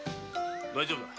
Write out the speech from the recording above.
大丈夫だ。